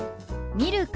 「ミルク」。